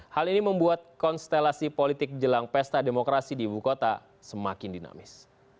hal ini membuat konstelasi politik jelang pesta demokrasi di ibu kota semakin dinamis